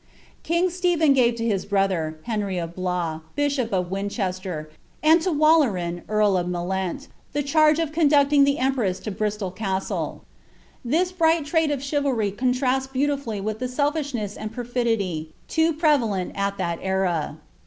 King Stephen gave to his brother, Henry of Blois, bishop of Winchester, and to Wal leran, earl of Mellent, the charge of conducting the empress to Bristol castle. This bright trait of chivalry contrasts beautifully with the self ishness and perfidy too prevalent at the era.